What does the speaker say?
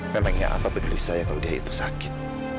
memangnya apa peduli saya jika dia sakit